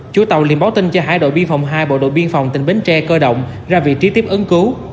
chủ tàu liên báo tin cho hải đội biên phòng hai bộ đội biên phòng tỉnh bến tre cơ động ra vị trí tiếp ứng cứu